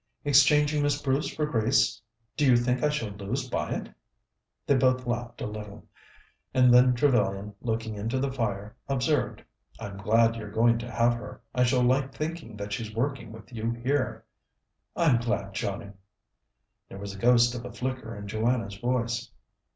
"Exchanging Miss Bruce for Grace? Do you think I shall lose by it?" They both laughed a little, and then Trevellyan, looking into the fire, observed: "I'm glad you're going to have her. I shall like thinking that she's working with you here." "I'm glad, Johnnie." There was the ghost of a flicker in Joanna's voice.